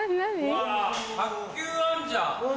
うわ卓球あんじゃん。